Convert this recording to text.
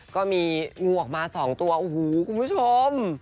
ก็มีงูออกมา๒ตัวโอ้โหคุณผู้ชม